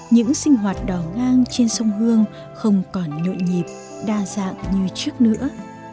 những sinh hoạt đỏ ngang trên sông hương không còn nội nhịp đa dạng như trước nữa